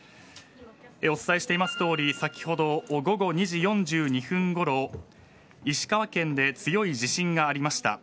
お伝えしていますとおり先ほど午後２時４２分ごろ石川県で強い地震がありました。